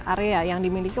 area yang dimiliki